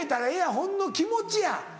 ほんの気持ちや。